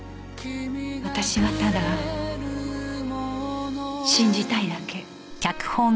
私はただ信じたいだけ。